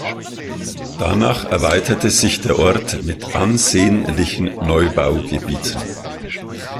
Danach erweiterte sich der Ort mit ansehnlichen Neubaugebieten.